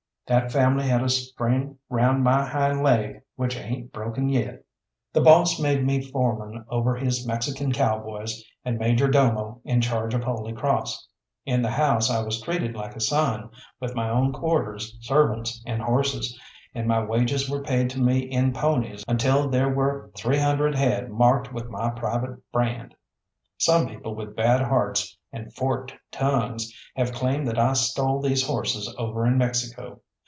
That family had a string round my hind leg which ain't broken yet. The boss made me foreman over his Mexican cowboys, and major domo in charge of Holy Cross. In the house I was treated like a son, with my own quarters, servants, and horses, and my wages were paid to me in ponies until there were three hundred head marked with my private brand. Some people with bad hearts and forked tongues have claimed that I stole these horses over in Mexico.